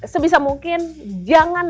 sebisa mungkin jangan